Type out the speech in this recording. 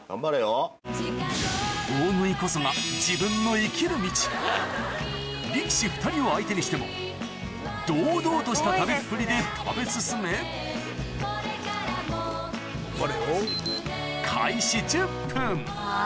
こそが力士２人を相手にしても堂々とした食べっぷりで食べ進めあぁ